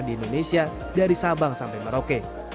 di indonesia dari sabang sampai merauke